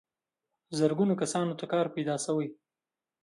زرګونو کسانو ته کار پیدا شوی.